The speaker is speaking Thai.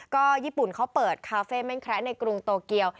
ก็ญี่ปุ่นเขาเปิดคาเฟ่เม่นแคระในกรุงโตเกียว